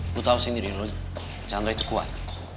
lo tau sendiri loh chandra itu kuat